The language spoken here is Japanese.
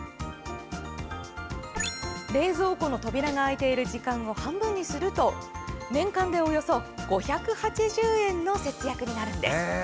冷蔵庫の扉が開いている時間を半分にすると年間で、およそ５８０円の節約になるんです。